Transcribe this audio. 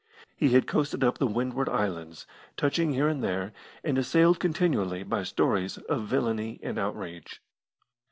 He had coasted up the Windward Islands, touching here and there, and assailed continually by stories of villainy and outrage.